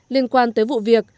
liên quan tới vụ việc